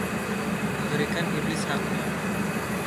Berikan iblis haknya